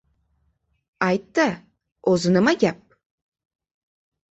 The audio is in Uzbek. Ayt-da, o‘zi nima gap?